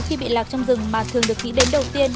khi bị lạc trong rừng mà thường được nghĩ đến đầu tiên